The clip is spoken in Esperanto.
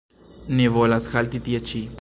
Ni volas halti tie ĉi.